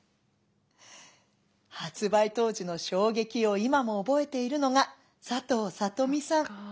発売当時の衝撃を今も覚えているのが佐藤里美さん。